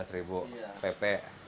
rp lima belas pp